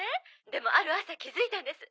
でもある朝気づいたんです」